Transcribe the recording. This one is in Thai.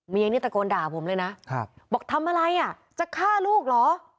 นี่ตะโกนด่าผมเลยนะบอกทำอะไรอ่ะจะฆ่าลูกเหรอ